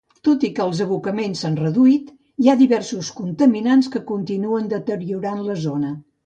Tot i que els abocaments s'han reduït, hi ha diversos contaminants que continuen deteriorant la zona.